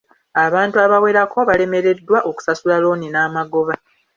Abantu abawerako balemereddwa okusasula looni n'amagoba.